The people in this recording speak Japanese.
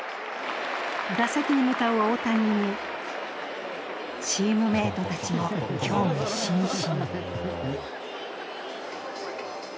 打席に向かう大谷にチームメートたちも興味津々。